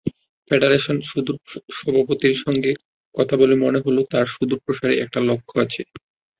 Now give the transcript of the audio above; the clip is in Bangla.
ফেডারেশন সভাপতির সঙ্গে কথা বলে মনে হলো, তাঁর সুদূরপ্রসারী একটা লক্ষ্য আছে।